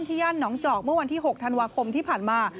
ย่านหนองจอกเมื่อวันที่๖ธันวาคมที่ผ่านมา